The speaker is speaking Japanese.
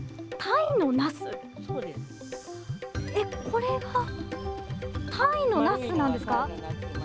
これがタイのなすなんですか？